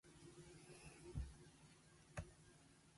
すばしこくて強いこと。